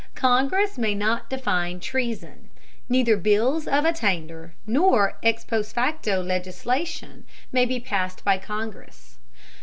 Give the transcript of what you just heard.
Congress may not define treason. Neither bills of attainder, nor ex post facto legislation may be passed by Congress.